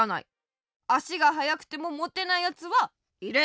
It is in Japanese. あしがはやくてもモテないやつはいる。